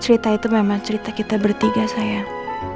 cerita itu memang cerita kita bertiga sayang